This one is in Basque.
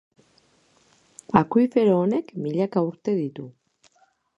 Akuifero honek milaka urte ditu.